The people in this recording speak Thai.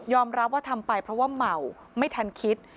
รับว่าทำไปเพราะว่าเมาไม่ทันคิด